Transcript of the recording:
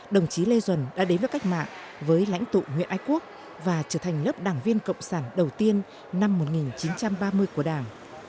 đồng chí lê duẩn đã đến với cách mạng với lãnh tụ nguyễn ái quốc và trở thành lớp đảng viên cộng sản đầu tiên năm một nghìn chín trăm ba mươi của đảng